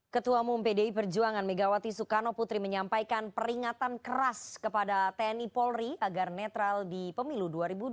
ketua umum pdi perjuangan megawati soekarno putri menyampaikan peringatan keras kepada tni polri agar netral di pemilu dua ribu dua puluh